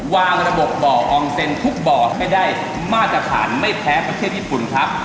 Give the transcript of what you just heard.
วางระบบบ่ออองเซ็นทุกบ่อให้ได้มาตรฐานไม่แพ้ประเทศญี่ปุ่นครับ